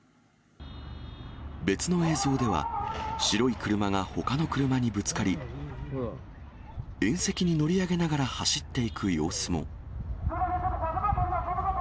別の映像では、白い車がほかの車にぶつかり、縁石に乗り上げながら走っていく様子も。